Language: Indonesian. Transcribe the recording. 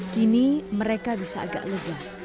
kini mereka bisa agak lega